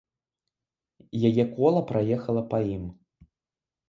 Яе кола праехала па ім.